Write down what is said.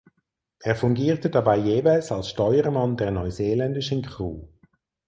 Er fungierte dabei jeweils als Steuermann der neuseeländischen Crew.